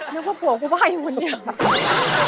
นึกว่าผัวกูว่าอยู่หัวเนี่ย